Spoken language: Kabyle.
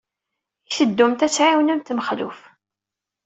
I teddumt ad tɛawnemt Mexluf?